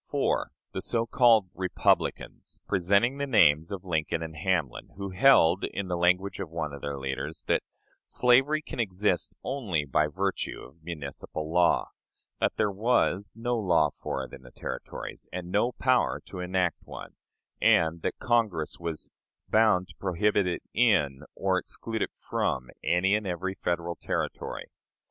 4. The so called "Republicans," presenting the names of Lincoln and Hamlin, who held, in the language of one of their leaders, that "slavery can exist only by virtue of municipal law"; that there was "no law for it in the Territories, and no power to enact one"; and that Congress was "bound to prohibit it in or exclude it from any and every Federal Territory."